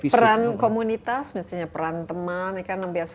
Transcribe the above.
tapi peran komunitas misalnya peran teman